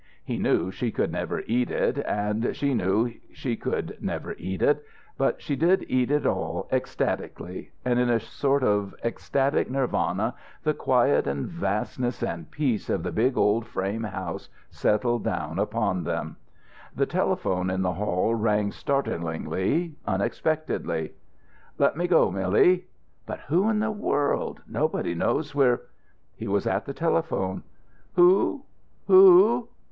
He knew she could never eat it, and she knew she could never eat it. But she did eat it all, ecstatically. And in a sort of ecstatic Nirvana the quiet and vastness and peace of the big old frame house settled down upon them. The telephone in the hall rang startlingly, unexpectedly. "Let me go, Milly." "But who in the world! Nobody knows we're " He was at the telephone. "Who? Who?